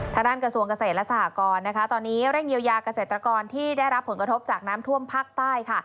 ทางด้านกระทรวงเกษตรและสหกรนะคะตอนนี้เร่งเยียวยาเกษตรกรที่ได้รับผลกระทบจากน้ำท่วมภาคใต้ค่ะ